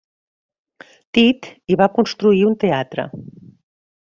Tit hi va construir un teatre.